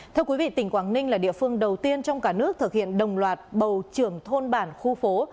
thưa quý vị tỉnh quảng ninh là địa phương đầu tiên trong cả nước thực hiện đồng loạt bầu trưởng thôn bản khu phố